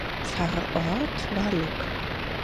Pfarrort war Luck.